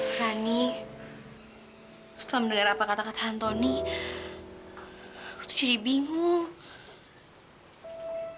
hai rani setelah mendengar apa kata kata antoni itu jadi bingung